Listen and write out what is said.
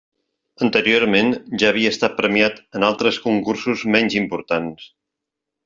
Anteriorment ja havia estat premiat en altres concursos menys importants.